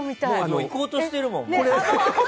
もう行こうとしてるもん。